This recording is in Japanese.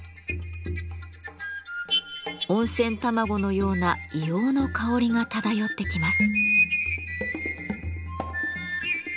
温泉卵のような硫黄の香りが漂ってきます。